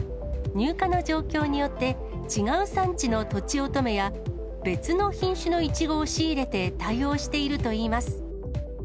入荷の状況によって、違う産地のとちおとめや、別の品種のイチゴを仕入れて対応しているといいます。